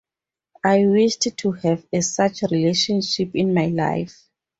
I wished to have a such relationship in my life.